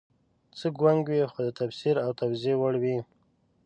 څه ګونګ وي خو د تفسیر او توضیح وړ وي